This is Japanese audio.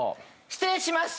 失礼します。